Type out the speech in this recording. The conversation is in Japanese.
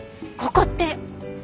ここって。